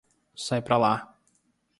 Sai pra lá